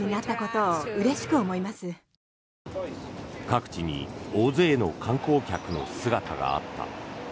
各地に大勢の観光客の姿があった。